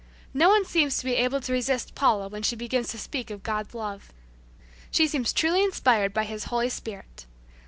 No one seems to be able to resist Paula when she begins to speak of God's love. She seems truly inspired by His Holy Spirit.